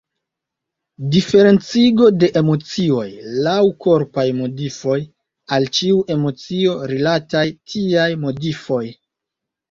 Diferencigo de emocioj laŭ korpaj modifoj: al ĉiu emocio rilataj tiaj modifoj.